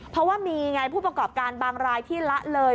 เพราะว่ามีไงผู้ประกอบการบางรายที่ละเลย